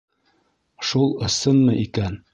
Шул ысынмы икән?